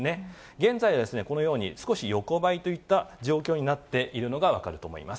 現在は、このように少し横ばいといった状況になっているのが分かると思います。